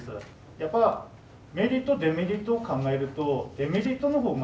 やっぱメリットデメリットを考えるとデメリットのほうがはるかに大きい。